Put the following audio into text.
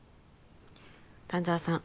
丹澤さん